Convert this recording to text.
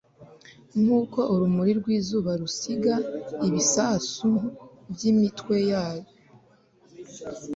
nkuko urumuri rwizuba rusiga ibisasu byimitwe yabo